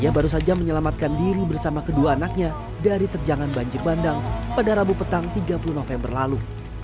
ia baru saja menyelamatkan diri bersama kedua anaknya dari terjangan banjir bandang pada rabu petang tiga puluh november lalu